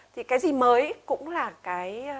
thì cái gì mới cũng là cái